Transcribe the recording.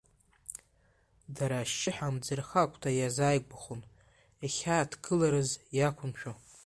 Дара ашьшьыҳәа амӡырха агәҭа иазааигәахон, иахьааҭгыларыз иақәымшәо.